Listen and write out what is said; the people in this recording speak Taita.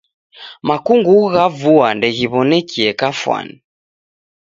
Makungughu gha vua ndeghiwonekie kafwani